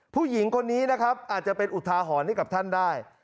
ผู้หญิงคนนี้นะครับอาจจะเป็นอุทาหรณ์ให้กับท่านได้